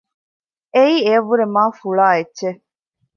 އެއީ އެޔަށްވުރެ މާ ފުޅާ އެއްޗެއް